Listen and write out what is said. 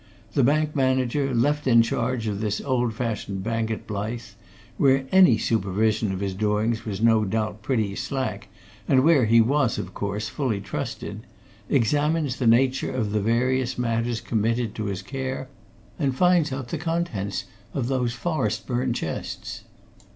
The bank manager, left in charge of this old fashioned bank at Blyth, where any supervision of his doings was no doubt pretty slack, and where he was, of course, fully trusted, examines the nature of the various matters committed to his care, and finds out the contents of those Forestburne chests.